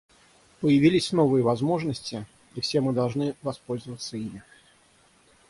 Появились новые возможности, и все мы должны воспользоваться ими.